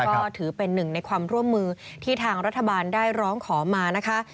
ก็ถือเป็นหนึ่งในความร่วมมือที่ทางรัฐบาลได้ร้องขอมานะคะ